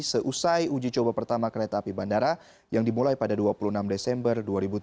seusai uji coba pertama kereta api bandara yang dimulai pada dua puluh enam desember dua ribu tujuh belas